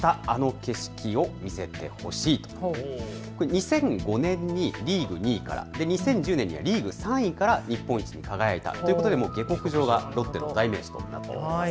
２００５年にリーグ２位から、２０１０年にはリーグ３位から日本一に輝いたということで下克上がロッテの代名詞となっているんです。